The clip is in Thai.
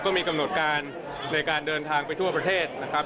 มีกำหนดการในการเดินทางไปทั่วประเทศนะครับ